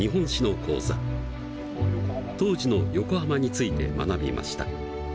当時の横浜について学びました。